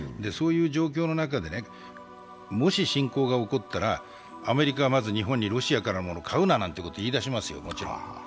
そういう状況の中で、もし侵攻が起こったらアメリカはまず日本にロシアから買うななんてこと言い出しますよ、もちろん。